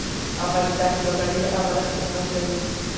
افغانستان د وګړي له امله شهرت لري.